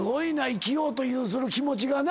生きようとする気持ちがな。